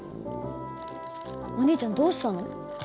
お兄ちゃんどうしたの？